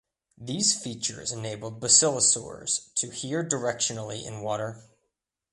These features enabled basilosaurs to hear directionally in water.